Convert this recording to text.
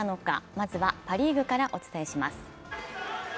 まずはパ・リーグからお伝えします。